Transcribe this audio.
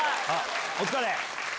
お疲れ！